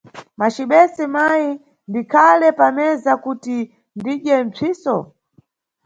Macibese mayi, ndikhale pameza kuti ndidye mpsiso?